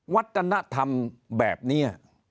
วัฒนธรรมแบบนี้